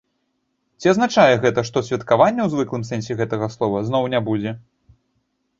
Ці азначае гэта, што святкавання ў звыклым сэнсе гэта слова зноў не будзе?